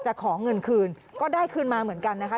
ขอเงินคืนก็ได้คืนมาเหมือนกันนะคะ